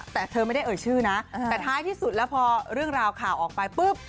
แต่เธอไม่ได้เอ่ยชื่อนะแต่ท้ายที่สุดแล้วพอเรื่องราวข่าวออกไปปุ๊บ